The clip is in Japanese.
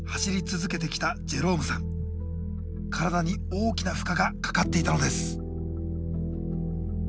体に大きな負荷がかかっていたのです。